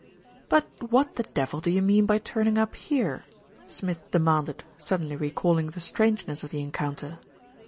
"But what the devil do you mean by turning up here?" Smith demanded, suddenly recalling the strange ness of the encounter.